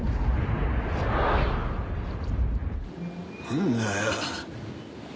何だよ。